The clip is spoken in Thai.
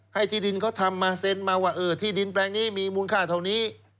ที่ดินเขาทำมาเซ็นมาว่าที่ดินแปลงนี้มีมูลค่าเท่านี้